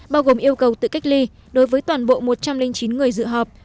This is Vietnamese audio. bao gồm yêu cầu tự cách ly đối với toàn bộ một trăm linh chín người dự họp